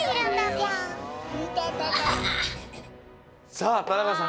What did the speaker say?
さあ田中さん